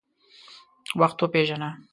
وخت وپیژنه.